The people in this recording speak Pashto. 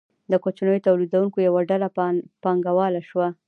د کوچنیو تولیدونکو یوه ډله پانګواله شوه.